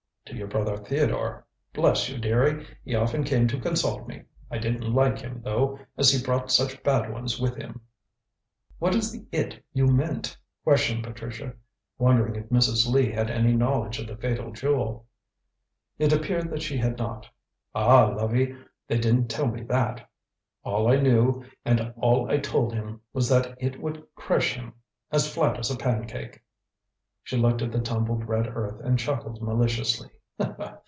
"To your brother Theodore. Bless you, deary, he often came to consult me. I didn't like him, though, as he brought such bad Ones with him." "What is the It you meant?" questioned Patricia, wondering if Mrs. Lee had any knowledge of the fatal Jewel. It appeared that she had not. "Ah, lovey! They didn't tell me that. All I knew and all I told him was that It would crush him as flat as a pancake." She looked at the tumbled red earth and chuckled maliciously.